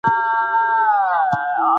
سپوږمۍ د ځمکې په شاوخوا ګرځي.